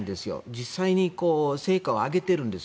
実際に成果を上げているんです。